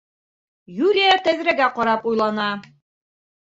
Юлия тәҙрәгә ҡарап уйлана.